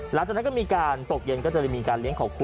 หลังจากนั้นก็มีการตกเย็นก็จะมีการเลี้ยงขอบคุณ